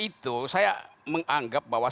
itu saya menganggap bahwa